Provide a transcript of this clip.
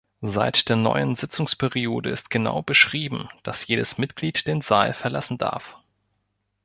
Seit der neuen Sitzungsperiode ist genau beschrieben, dass jedes Mitglied den Saal verlassen darf.